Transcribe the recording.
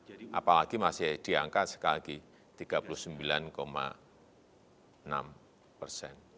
apalagi masih di angka sekali lagi tiga puluh sembilan enam persen